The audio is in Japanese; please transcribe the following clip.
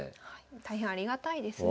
大変ありがたいですね